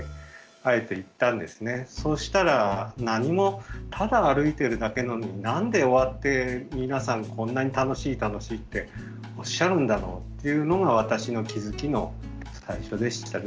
そしたら何もただ歩いてるだけなのに何で終わって皆さんこんなに楽しい楽しいっておっしゃるんだろうっていうのが私の気付きの最初でしたね。